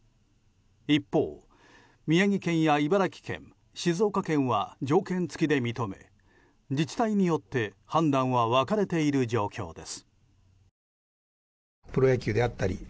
一方、宮城県や茨城県、静岡県は条件付きで認め、自治体によって判断は分かれている状況です。